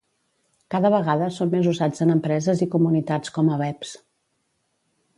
Cada vegada són més usats en empreses i comunitats com a webs